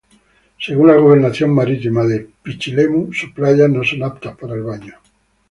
Según la Gobernación Marítima de Pichilemu, sus playas no son aptas para baño.